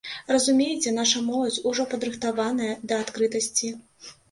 Разумееце, наша моладзь ужо падрыхтаваная да адкрытасці.